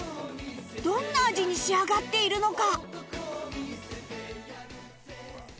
どんな味に仕上がっているのか？